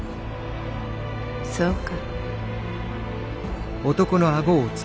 そうか。